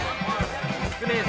少ねえぞ。